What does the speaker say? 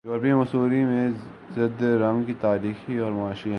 یورپی مصوری میں زرد رنگ کی تاریخی اور معاشی اہمیت